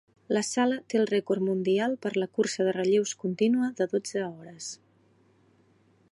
La sala té el record mundial per la cursa de relleus continua de dotze hores.